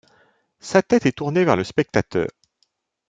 Sa tête est tournée vers le spectateur.